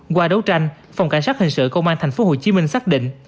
qua đấu tranh phòng cảnh sát hình sự công an thành phố hồ chí minh xác định